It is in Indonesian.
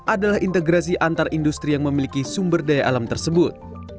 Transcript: adalah integrasi antar industri yang memiliki sumber daya alam tersebut